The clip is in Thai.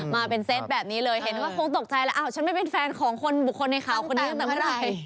มาเป็นเซตแบบนี้เลยเห็นว่าคงตกใจแล้วอ่าวฉันไม่เป็นแฟนของคนในข่าวคนนี้ต่ำไหร่